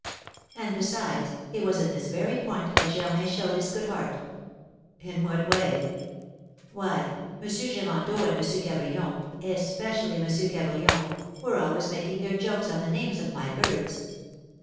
And besides, it was in this very point that Germain showed his good heart." "In what way?" "Why, M. Girandeau and M. Cabrion especially M. Cabrion were always making their jokes on the names of my birds.